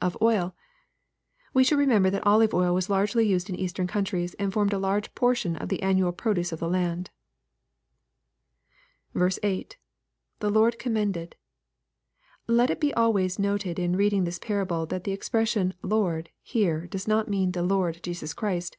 [Of oU.] We should remember that olive oil was largely used in eastern. countries, and formed a large portion of the annual pro duce of the land. 8. — [The lord commended.] Let it be always noted in reading this parable, that the expression " lord" here, does not mean the Lord Jesus Christ.